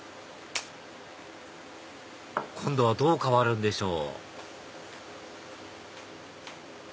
今度はどう変わるんでしょう？